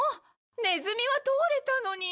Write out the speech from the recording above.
ネズミは通れたのに！